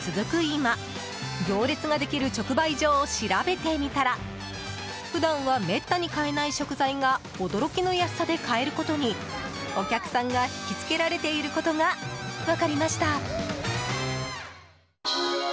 今行列ができる直売所を調べてみたら普段はめったに買えない食材が驚きの安さで買えることにお客さんが引きつけられていることが分かりました。